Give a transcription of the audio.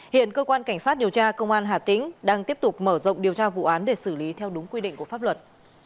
hiện cơ quan cảnh sát điều tra công an hà tĩnh đang tiếp tục mở rộng điều tra vụ án để xử lý theo đúng quy định của pháp luật